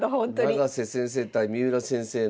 永瀬先生対三浦先生の。